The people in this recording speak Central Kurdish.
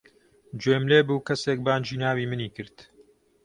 گوێم لێ بوو کەسێک بانگی ناوی منی کرد.